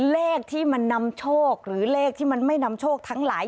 เลขที่มันนำโชคหรือเลขที่มันไม่นำโชคทั้งหลาย